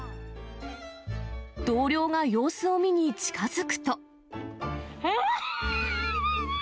同僚が様子を見に近づくと。